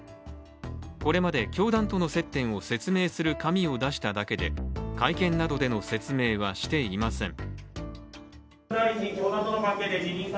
これまで教団との接点を説明する紙を出しただけで会見などでの説明はしていません。